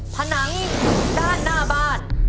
ผนังอยู่ด้านหน้าบ้าน